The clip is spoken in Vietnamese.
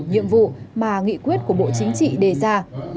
nhiệm vụ mà nghị quyết của bộ chính trị đề ra